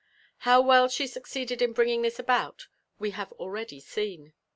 How well she succeeded in bringing this about vre have al ready seen.